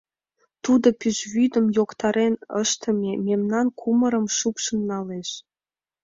Тудо пӱжвӱдым йоктарен ыштыме мемнан кумырым шупшын налеш...